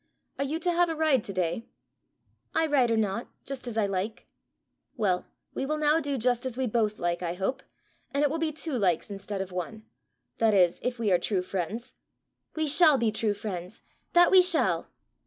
Are you to have a ride to day?" "I ride or not just as I like." "Well, we will now do just as we both like, I hope, and it will be two likes instead of one that is, if we are true friends." "We shall be true friends that we shall!"